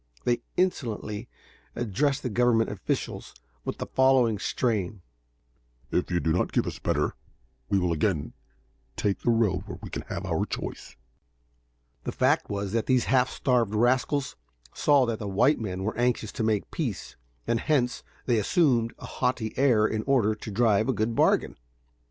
They insolently addressed the Government officials in the following strain: "If you do not give us better, we will again take the road where we can have our choice." The fact was that these half starved rascals saw that the white men were anxious to make peace, and hence they assumed a haughty air in order to drive a good bargain.